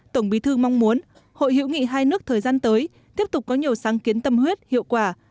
tổng bí thư mong muốn hội hữu nghị hai nước thời gian tới tiếp tục có nhiều sáng kiến tâm huyết hiệu quả